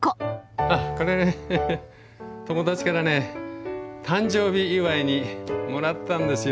あっこれね友達からね誕生日祝にもらったんですよ。